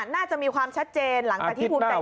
น่าจะมีความชัดเจนหลังตะทิศพุมใจไทยเขา